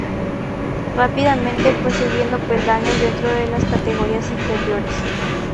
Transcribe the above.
Rápidamente fue subiendo peldaños dentro de las categorías inferiores.